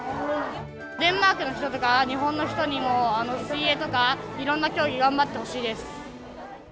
デンマークの人とか、日本の人にも、水泳とかいろんな競技、頑張ってほしいです。